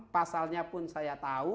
pasalnya pun saya tahu